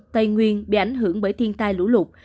tây nguyên bị ảnh hưởng bởi thiên tai lũ lụt